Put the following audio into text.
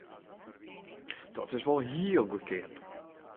Dat is wol hiel goedkeap!